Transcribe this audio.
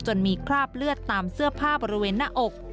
มีคราบเลือดตามเสื้อผ้าบริเวณหน้าอก